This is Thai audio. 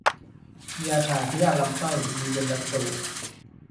ยาถ่ายพยาธิลำไส้ มีเบนดาโซล